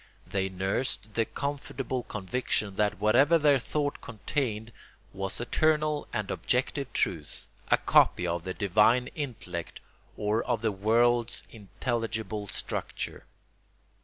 They nursed the comfortable conviction that whatever their thought contained was eternal and objective truth, a copy of the divine intellect or of the world's intelligible structure.